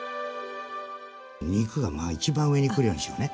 肉がまあ一番上に来るようにしようね。